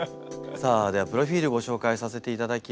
さあではプロフィールご紹介させていただきます。